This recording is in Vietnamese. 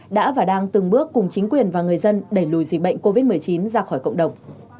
đã và đang từng bước cùng chính quyền và người dân đẩy lùi dịch bệnh covid một mươi chín ra khỏi cộng đồng